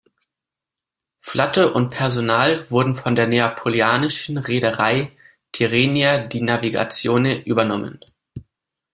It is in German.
Flotte und Personal wurden von der neapolitanischen Reederei "Tirrenia di Navigazione" übernommen.